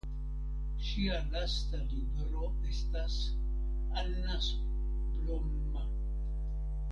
Ŝia lasta libro estas "Annas blomma".